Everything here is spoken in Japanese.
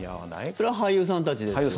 それは俳優さんたちですよね。